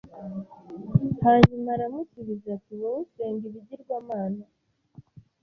hanyuma aramusubiza ati wowe usenga ibigirwamana